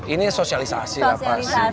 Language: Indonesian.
ini sosialisasi lah pasti